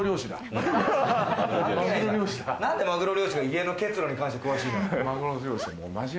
なんでマグロ漁師の家の結露に関して詳しいんだよ！